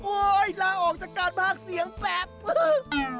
โอ๊ยลาออกจากการภาคเสียงแปลก